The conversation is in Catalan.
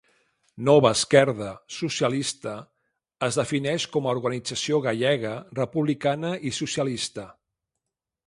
Nova Esquerda Socialista es defineix com a organització gallega, republicana i socialista.